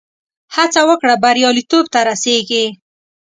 هڅه وکړه، بریالیتوب ته رسېږې.